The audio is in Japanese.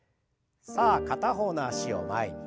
さあ片方の脚を前に。